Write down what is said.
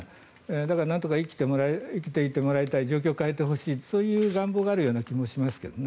だから、なんとか生きていてもらいたい状況を変えてほしいそういう願望があるような気もしますけどね。